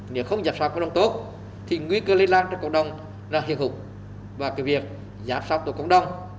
nếu không giảm sát cộng đồng tốt thì nguy cơ lây lan cho cộng đồng ra hiệu hụt và cái việc giảm sát tổ cộng đồng